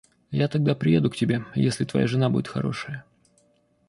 Я тогда приеду к тебе, если твоя жена будет хорошая.